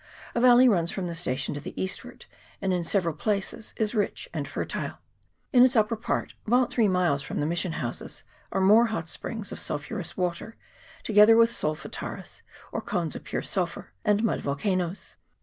A valley runs from the station to the eastward, and in several places is rich and fertile. In its upper part, about three miles from the mission houses, are more 392 VOLCANIC FORMATIONS. [PART II. hot springs of sulphurous water, together with sol fataras, or cones of pure sulphur, and mud volcanoes.